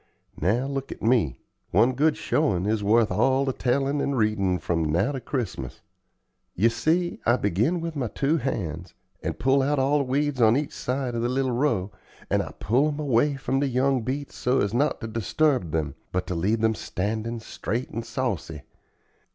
Now look at me. One good showin' is worth all the tellin' and readin' from now to Christmas. You see, I begin with my two hands, and pull out all the weeds on each side of the little row, and I pull 'em away from the young beets so as not to disturb them, but to leave 'em standin' straight and saucy.